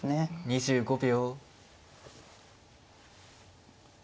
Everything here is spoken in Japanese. ２５秒。